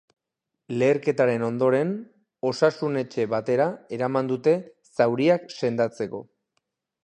Leherketaren ondoren, osasun-etxe batera eraman dute zauriak sendatzeko.